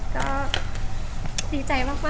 ก็ดีใจมากค่ะ